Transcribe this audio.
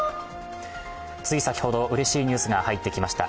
つい先ほど、うれしいニュースが入ってきました。